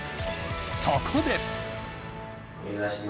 そこで。